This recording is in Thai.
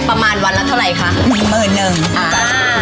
ประมาณวันละเท่าไรคะมีหมื่นนึงอ่าค่ะลูกน้องอีกห้าคนอ่า